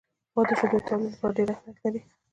غوا د شیدو د تولید لپاره ډېر اهمیت لري.